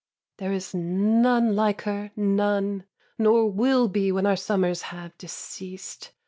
3. There is none like her, none. Nor will be when our summers have deceased.